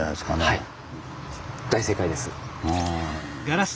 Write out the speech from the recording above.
はい。